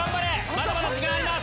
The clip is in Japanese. まだまだ時間あります。